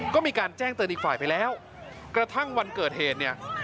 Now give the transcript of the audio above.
ก็มีการแจ้งเตือนอีกฝ่ายไปแล้วกระทั่งวันเกิดเหตุเนี่ย